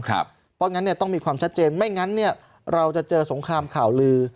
เพราะงั้นต้องมีความชัดเจนไม่งั้นเราจะเจอสงครามข่าวลือ